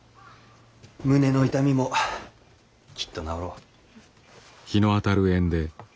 胸の痛みもきっと治ろう。